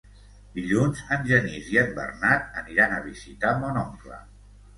Dilluns en Genís i en Bernat aniran a visitar mon oncle.